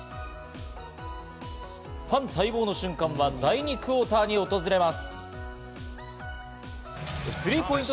ファン待望の瞬間は第２クオーターに訪れます。